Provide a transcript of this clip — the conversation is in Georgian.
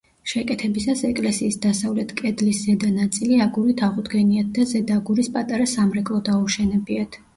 შეკეთებისას ეკლესიის დასავლეთ კედლის ზედა ნაწილი აგურით აღუდგენიათ და ზედ აგურის პატარა სამრეკლო დაუშენებიათ.